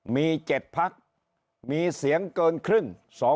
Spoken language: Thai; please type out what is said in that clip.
มี๗พักมีเสียงเกินครึ่ง๒๕๔๒๕๕